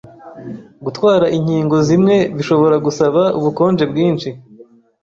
Gutwara inkingo zimwe bishobora gusaba ubukonje bwinshi